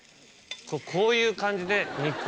こういう感じで肉を。